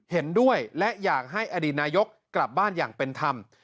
เห็นด้วยและอยากให้อดีตนายกกลับบ้านอย่างเป็นธรรม